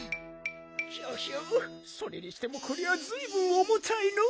ヒョヒョそれにしてもこりゃずいぶんおもたいのう。